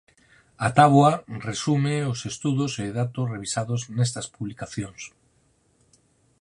A táboa resume os estudos e datos revisados nestas publicacións.